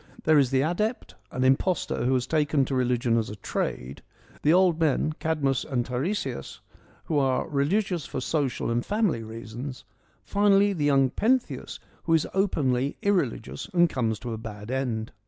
There is the Adept — an imposter, who has taken to religion as a trade ; the old men Cadmus and Teiresias who are ' religious ' for social and family reasons : finally the young Pentheus who is openly ' irreligious ' and comes to a bad end.